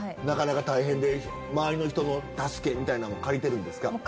なかなか大変で、周りの人の助けみたいなの借りてるんですか？